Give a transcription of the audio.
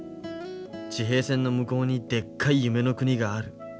地平線の向こうにでっかい夢の国がある。